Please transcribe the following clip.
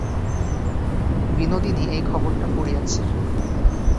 বিনোদিনী এই খবরটা পড়িয়াছে।